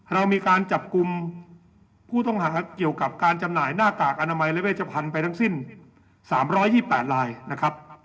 เรามีการจับกลุ่มผู้ต้องหาเกี่ยวกับการจำหน่ายหน้ากากอนามัยและเวชพันธุ์ไปทั้งสิ้น๓๒๘ลายนะครับ